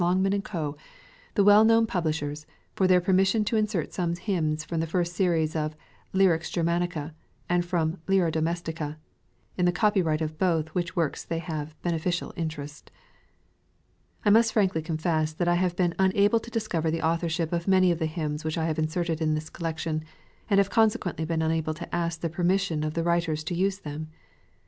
Longman & Co., the well known publishers, fur their permission to insert some hymns from the first series of "Lyrics Ger manica," and from "Lyra Domestica," in the copyright of both which works they have a ben eficial interest. I must frankly confess, that I have been unable to discover the authorship of many of the hymns which I have inserted in this collection, and have consequently been unable to ask the permission of the writers to use them.